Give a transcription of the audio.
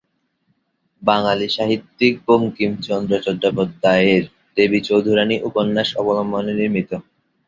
বাঙালি সাহিত্যিক বঙ্কিমচন্দ্র চট্টোপাধ্যায়ের "দেবী চৌধুরাণী" উপন্যাস অবলম্বনে নির্মিত।